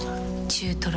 中トロ。